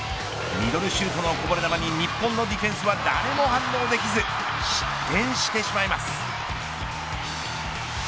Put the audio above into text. ミドルシュートのこぼれ球に日本のディフェンスは誰も反応できず失点してしまいます。